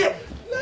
何？